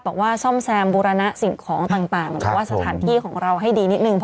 บอกว่าซ่อมแซมบูรณะสิ่งของต่างหรือว่าสถานที่ของเราให้ดีนิดนึง